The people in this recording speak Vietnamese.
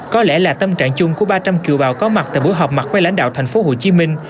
có lẽ là tâm trạng chung của ba trăm linh kiều bào có mặt tại buổi họp mặt với lãnh đạo thành phố hồ chí minh